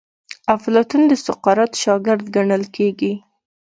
افلاطون د سقراط شاګرد ګڼل کیږي.